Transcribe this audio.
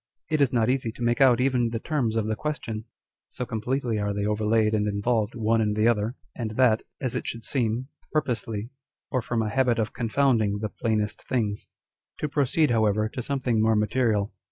It is not easy to make out even the terms of the question, so completely are they overlaid and involved one in the other, and that, as it should seem, purposely, or from a habit of confounding the plainest things. To proceed, however, to something more material.